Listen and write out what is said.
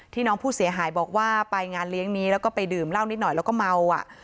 น้องผู้เสียหายบอกว่าไปงานเลี้ยงนี้แล้วก็ไปดื่มเหล้านิดหน่อยแล้วก็เมาอ่ะ